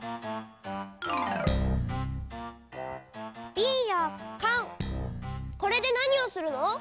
びんやカンこれでなにをするの？